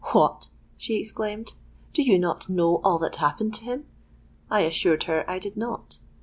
—'What!' she exclaimed, 'do you not know all that happened to him?'—I assured her I did not.